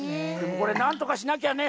これなんとかしなきゃね。